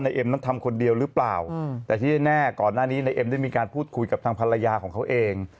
เอ็มนั้นทำคนเดียวหรือเปล่าแต่ที่แน่ก่อนหน้านี้ในเอ็มได้มีการพูดคุยกับทางภรรยาของเขาเอง